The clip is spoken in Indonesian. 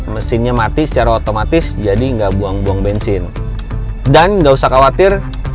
mesinnya mati secara otomatis jadi enggak buang buang bensin dan nggak usah khawatir